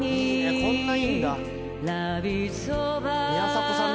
こんないいんだ。